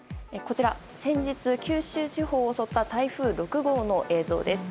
先日、九州地方を襲った台風６号の映像です。